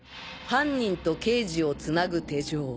犯人と刑事をつなぐ手錠。